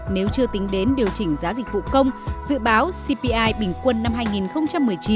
nếu chưa tính đến điều chỉnh giá dịch vụ công dự báo cpi bình quân năm hai nghìn một mươi chín